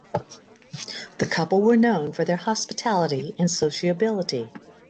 The couple were known for their hospitality and sociability.